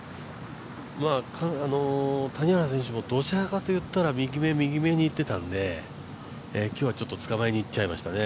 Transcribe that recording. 谷原選手もどちらかといったら右め、右めにいってたんで、今日はちょっとつかまえにいっちゃいましたね。